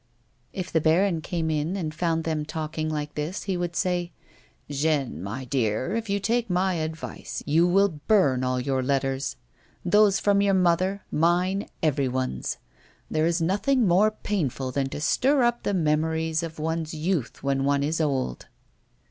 If the baron came in and found them talking like this, he would say, " Jeanne, my dear, if you take my advice, you will burn all your letters — those from your mother, mine, everyone's. There is nothing more painful than to stir up the memories of one's youth when one is old."